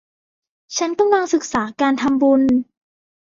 ฉันกำลังศึกษาการทำบุญ